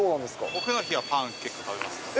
オフの日は、パン結構食べます。